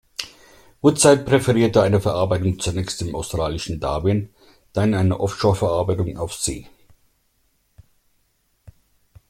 Woodside präferierte eine Verarbeitung zunächst im australischen Darwin, dann eine Offshore-Verarbeitung auf See.